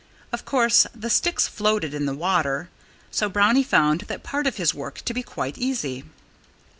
Of course, the sticks floated in the water; so Brownie found that part of his work to be quite easy.